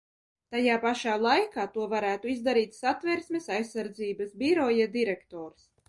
Tajā pašā laikā to varētu izdarīt Satversmes aizsardzības biroja direktors.